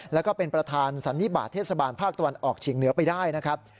แล้วก็เป็นประธานสันนิบาทเทศบาลภาคตะวันออกเฉียงเหนือไปได้นะครับ